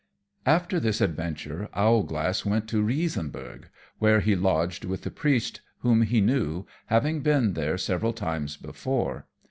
_ After this adventure, Owlglass went to Riesenburgh, where he lodged with the Priest, whom he knew, having been there several times before.